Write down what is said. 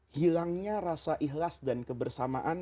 hilangnya rasa ikhlas dan kebersamaan